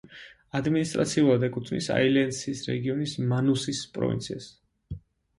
ადმინისტრაციულად ეკუთვნის აილენდსის რეგიონის მანუსის პროვინციას.